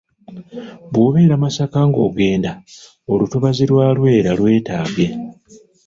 "Bw’obeera Masaka ng’ogenda, olutobazi lwa Lwera lwetaage."